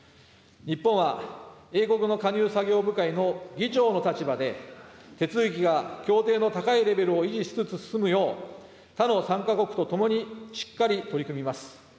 日本は、英国の加入作業部会の議長の立場で、手続きが協定の高いレベルを維持しつつ進むよう、他の参加国と共にしっかり取り組みます。